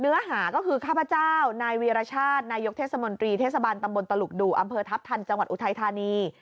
เนื้อหาก็คือข้าพเจ้านายวีรชาตินายกเทศมนตรีเทศบาลตำบลตลุกดูอำเภอทัพทันจังหวัดอุทัยธานี